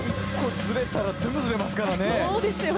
ずれたら全部ずれますからね。